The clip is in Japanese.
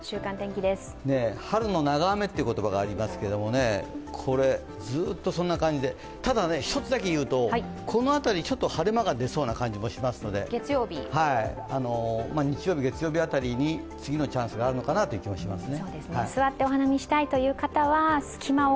春の長雨っていう言葉がありますけどずっとそんな感じでただ一つだけ言うとこの辺り、晴れ間が出そうな感じがしますので日曜日、月曜日辺りに次のチャンスがあるのかなという感じがしますね。